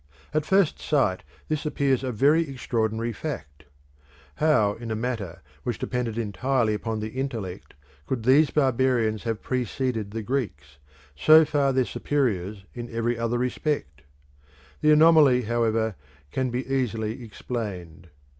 At first sight this appears a very extraordinary fact. How, in a matter which depended entirely upon the intellect, could these barbarians have preceded the Greeks, so far their superiors in every other respect? The anomaly, however, can be easily explained.